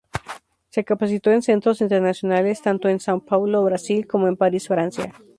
Se capacitó en centros internacionales, tanto en São Paulo, Brasil, como en París, Francia.